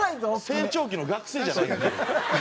成長期の学生じゃないんで。